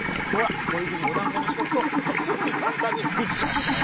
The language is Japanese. こういうふうにおだんごにしとくとすぐにかんたんにできちゃうんだよ。